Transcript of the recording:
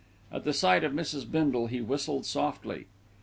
At the sight of Mrs. Bindle he whistled softly.